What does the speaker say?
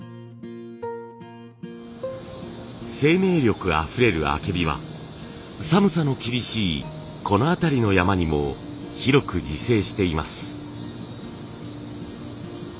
生命力あふれるあけびは寒さの厳しいこの辺りの山にも広く自生しています。